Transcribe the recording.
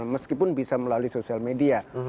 meskipun bisa melalui sosial media